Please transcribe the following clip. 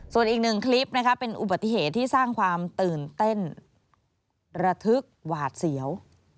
ส่วนอีกหนึ่งคลิปนะคะเป็นอุบัติเหตุที่สร้างความตื่นเต้นระทึกหวาดเสียว